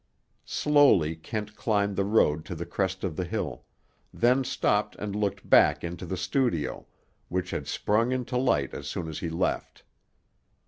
Slowly Kent climbed the road to the crest of the hill; then stopped and looked back into the studio, which had sprung into light as soon as he left.